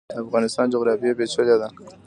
د افغانستان جغرافیا پیچلې ده